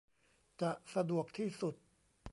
จะสะดวกที่สุด